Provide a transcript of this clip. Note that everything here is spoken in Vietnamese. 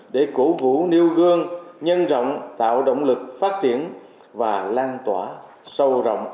để cổ vũ nêu gương nhân rộng tạo động lực phát triển và lan tỏa sâu rộng